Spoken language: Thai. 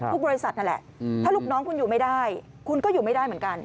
บริษัทนั่นแหละถ้าลูกน้องคุณอยู่ไม่ได้คุณก็อยู่ไม่ได้เหมือนกัน